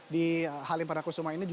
di halim perdana kusuma ini